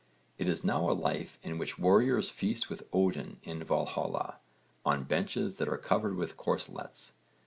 It is now a life in which warriors feast with Odin in Valhalla on benches that are covered with corselets.